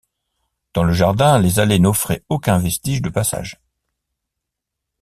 Dans le jardin, les allées n’offraient aucun vestige de passage.